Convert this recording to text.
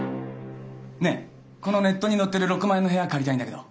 ねっこのネットに載ってる６万円の部屋借りたいんだけど。